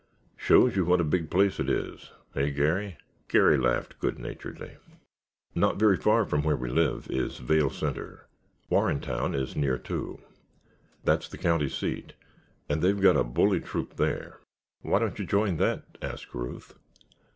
Shows you what a big place it is—hey, Garry?" Garry laughed good naturedly. "Not very far from where we live is Vale Centre; Warrentown is near, too. That's the county seat and they've got a bully troop there." "Why don't you join that?" asked Ruth.